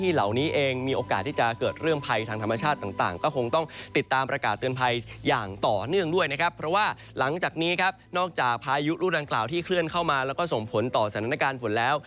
หลังจากนี้นอกจากพายุรุ่นกล่าวที่เคลื่อนเข้ามาแล้วก็ส่งผลต่อสถานการณ์ฝนแล้ว